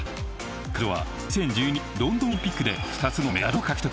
彼女は２０１２年ロンドンオリンピックで２つのメダルを獲得。